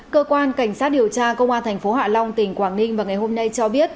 cơ quan cảnh sát điều tra công an tp hcm tỉnh quảng ninh vào ngày hôm nay cho biết